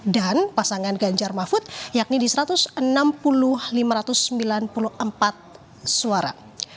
dan pasangan ganjar mahfud yakni di satu ratus enam puluh lima lima ratus sembilan puluh empat suara